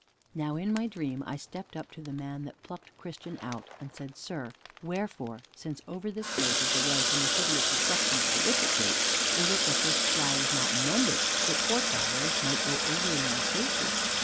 Now in my dream I stepped up to the man that plucked Christian out, and said: "Sir, wherefore, since over this place is the way from the City of Destruction to the Wicket gate, is it that this Slough is not mended, that poor travelers might go over in more safety?"